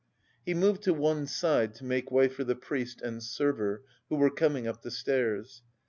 He moved to one side to make way for the priest and server, who were coming up the stairs.